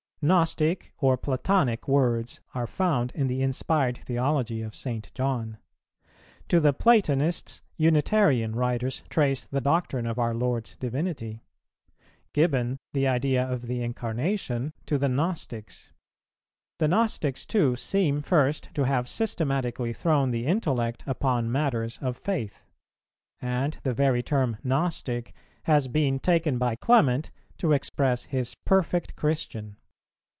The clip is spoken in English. Gnostic or Platonic words are found in the inspired theology of St. John; to the Platonists Unitarian writers trace the doctrine of our Lord's divinity; Gibbon the idea of the Incarnation to the Gnostics. The Gnostics too seem first to have systematically thrown the intellect upon matters of faith; and the very term "Gnostic" has been taken by Clement to express his perfect Christian.